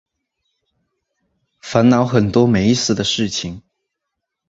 烦恼很多没意思的事情